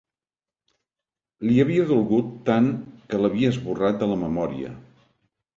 Li havia dolgut tant que l'havia esborrat de la memòria.